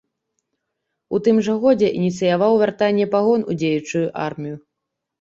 У тым жа годзе ініцыяваў вяртанне пагон у дзеючую армію.